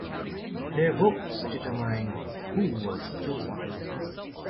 Their votes determined who was chosen.